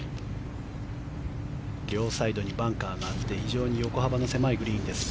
両サイドにバンカーがあって非常に横幅の狭いグリーンです。